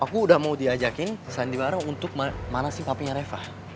aku udah mau diajakin sandiwara untuk manasin papinya reva